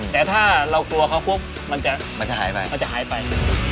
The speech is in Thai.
แต่ถ้าเรากลัวเขามันจะหายไป